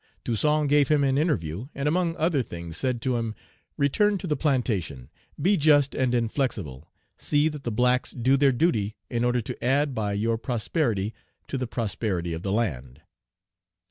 Toussaint gave him an interview, and among other things said to him, "Return to the plantation; be just and inflexible; see that the blacks do their duty, in order to add, by your prosperity, to the prosperity of the land."